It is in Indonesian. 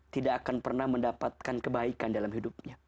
tidak akan pernah mendapatkan kebaikan dalam hidupnya